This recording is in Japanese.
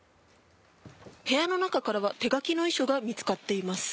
部屋の中からは手書きの遺書が見つかっています。